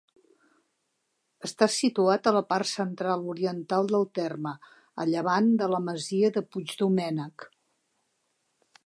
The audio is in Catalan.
Està situat a la part central-oriental del terme, a llevant de la masia de Puigdomènec.